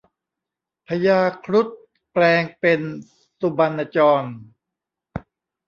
พญาครุฑแปลงเป็นสุบรรณจร